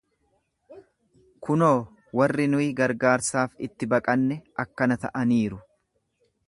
Kunoo, warri nuyi gargaarsaaf itti baqanne akkana ta'aniiru.